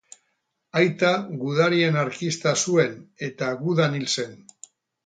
Aita gudari Anarkista zuen eta Gudan hil zen.